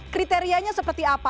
kriterianya seperti apa